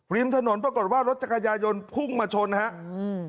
ริมถนนปรากฏว่ารถจักรยายนพุ่งมาชนฮะอืม